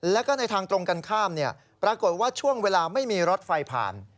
แล้วก็ในทางตรงกันข้ามปรากฏว่าช่วงเวลาไม่มีรถไฟผ่าน